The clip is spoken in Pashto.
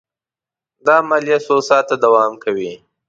دا عملیه څو ساعته دوام کوي.